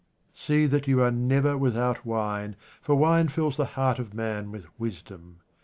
See that you are never without wine, for wine fills the heart of man with wisdom.